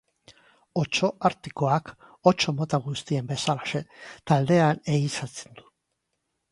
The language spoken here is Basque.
Otso artikoak, otso mota guztiek bezalaxe, taldean ehizatzen du.